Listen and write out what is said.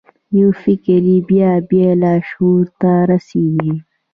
یو فکر چې بیا بیا لاشعور ته رسیږي